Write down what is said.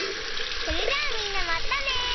それじゃあみんなまたね！